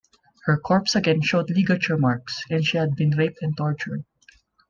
Her corpse again showed ligature marks, and she had been raped and tortured.